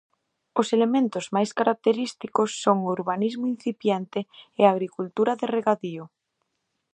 Os elementos máis característicos son o urbanismo incipiente e a agricultura de regadío.